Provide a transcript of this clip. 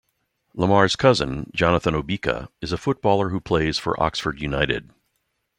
Lemar's cousin, Jonathan Obika is a footballer who plays for Oxford United.